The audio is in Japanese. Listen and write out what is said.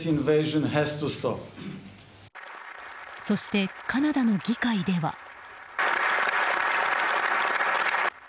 そして、カナダの議会では。